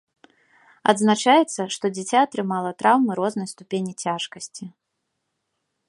Адзначаецца, што дзіця атрымала траўмы рознай ступені цяжкасці.